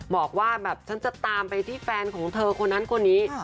บอกว่าแบบฉันจะตามไปที่แฟนของเธอคนนั้นคนนี้